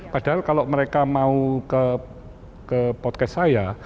padahal kalau mereka mau ke podcast saya